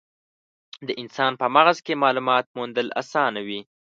د انسان په مغز کې مالومات موندل اسانه وي.